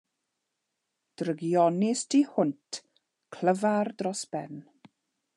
Drygionus tu hwnt; clyfar dros ben.